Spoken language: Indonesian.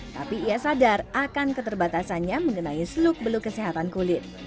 tapi ia sadar akan keterbatasannya mengenai seluk beluk kesehatan kulit